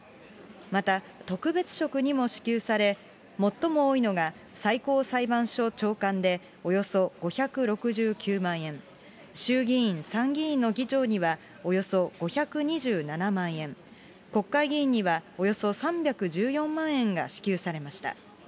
また特別職にも支給され、最も多いのが、最高裁判所長官でおよそ５６９万円、衆議院、参議院の議長にはおよそ５２７万円、国会議員にはおよそ３１４万円が支給されました。